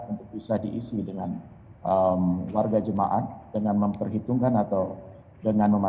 untuk bisa diisi dengan warga jemaat dengan memperhitungkan